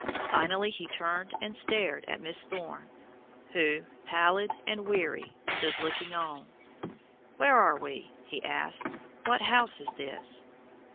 Finally he turned and stared at Miss Thorne, who, pallid and weary, stood looking on. "Where are we?" he asked. "What house is this?"